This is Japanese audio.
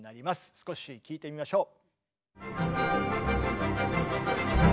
少し聴いてみましょう。